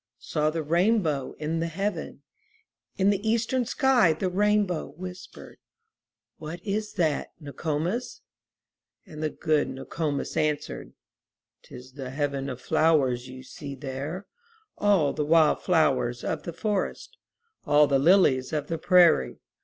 Saw the rainbow in the heaven. In the eastern sky, the rainbow, Whispered, ''What is that, Nok6mis? And the good Nok6mis answered: *Tis the heaven of flowers you see there; All the wild flowers of the forest, All the lilies of the prairie.